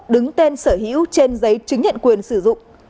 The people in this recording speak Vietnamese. đứng tên sở hữu trên giấy chứng nhận quyền sử dụng